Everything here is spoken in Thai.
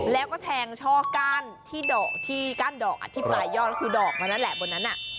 แล้วก็แทงช่อก้านที่ดอกที่ก้านดอกที่ปลายยอดก็คือดอกมานั่นแหละบนนั้น